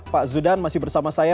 pak zudan masih bersama saya